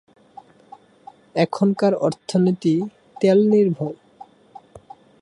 এখানকার অর্থনীতি তেল নির্ভর।